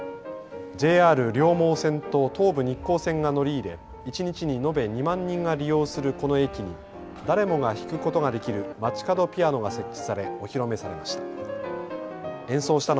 ＪＲ両毛線と東武日光線が乗り入れ、一日に延べ２万人が利用するこの駅に誰もが弾くことができる街かどピアノが設置されお披露目されました。